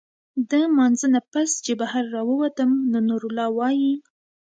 د مانځۀ نه پس چې بهر راووتم نو نورالله وايي